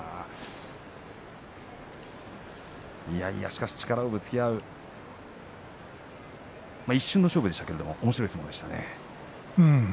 しかし、力をぶつけ合う一瞬の勝負でしたけどおもしろい相撲でしたね。